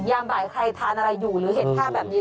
ยามบ่ายใครทานอะไรอยู่หรือเห็นภาพแบบนี้